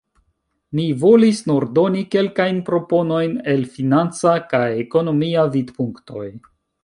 Mi volis nur doni kelkajn proponojn el financa kaj ekonomia vidpunktoj.